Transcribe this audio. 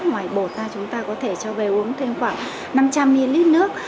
ngoài bột ta chúng ta có thể cho về uống thêm khoảng năm trăm linh ml nước